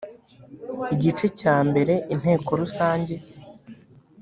igice cya mbere inteko rusange